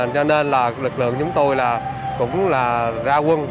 cho nên là lực lượng chúng tôi là cũng là ra quân